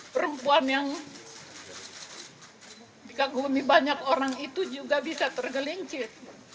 perempuan yang dikagumi banyak orang itu juga bisa tergelincit